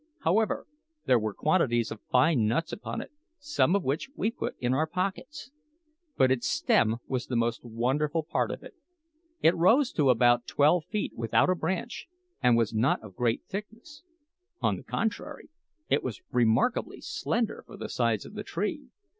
However, there were quantities of fine nuts upon it, some of which we put in our pockets. But its stem was the most wonderful part of it. It rose to about twelve feet without a branch, and was not of great thickness; on the contrary, it was remarkably slender for the size of the tree.